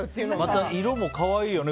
また、色も可愛いよね。